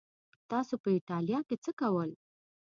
تاسو په ایټالیا کې څه کول؟